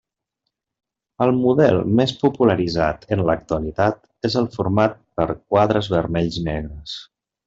El model més popularitzat en l'actualitat és el format per quadres vermells i negres.